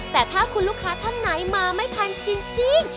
แต่ถ้าคุณลูกค้าท่านไหนมาไม่ทันจริง